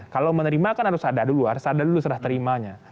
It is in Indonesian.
kalau menerima kan harus ada dulu harus ada dulu serah terimanya